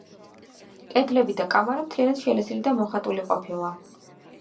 კედლები და კამარა მთლიანად შელესილი და მოხატული ყოფილა.